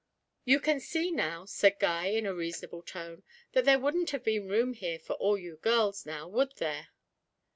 'You can see now,' said Guy, in a reasonable tone, 'that there wouldn't have been room here for all you girls now, would there?'